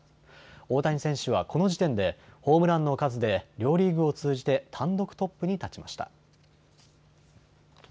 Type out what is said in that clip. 大谷選手はこの時点でホームランの数で両リーグを通じて単独トップに立ちました。